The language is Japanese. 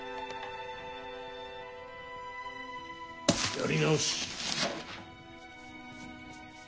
やり直し。